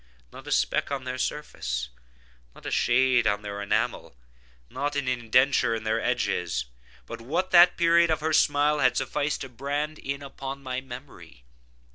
Not a speck on their surface—not a shade on their enamel—not an indenture in their edges—but what that period of her smile had sufficed to brand in upon my memory.